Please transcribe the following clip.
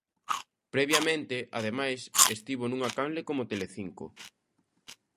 "Previamente", ademais, "estivo nunha canle como Telecinco".